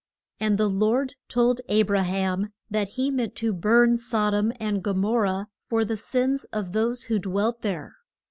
] And the Lord told A bra ham that he meant to burn Sod om and Go mor rah for the sins of those who dwelt there.